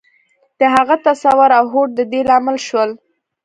د هغه تصور او هوډ د دې لامل شول.